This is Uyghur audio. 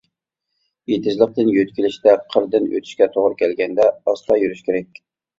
ئېتىزلىقتىن يۆتكىلىشتە، قىردىن ئۆتۈشكە توغرا كەلگەندە ئاستا يۈرۈش كېرەك.